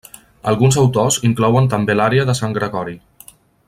Alguns autors inclouen també l'àrea de Sant Gregori.